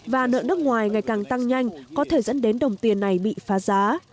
và nợ nước ngoài ngày càng tăng nhanh có thể dẫn đến đồng tiền này bị phá giá